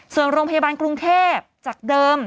ส่วนโรงพยาบาลกรุงเทพจากเดิม